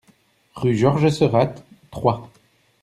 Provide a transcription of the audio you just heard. Rue Georges Seurat, Troyes